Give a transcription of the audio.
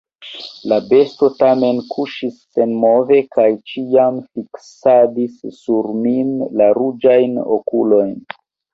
La besto tamen kuŝis senmove kaj ĉiam fiksadis sur min la ruĝajn okulojn.